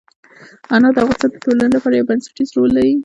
انار د افغانستان د ټولنې لپاره یو بنسټيز رول لري.